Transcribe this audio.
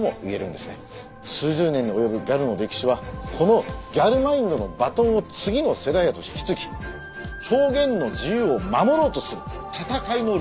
数十年に及ぶギャルの歴史はこのギャルマインドのバトンを次の世代へと引き継ぎ表現の自由を守ろうとする戦いの歴史でもあるんです。